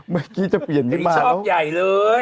เมื่อกี้จะเปลี่ยนราบเหรอ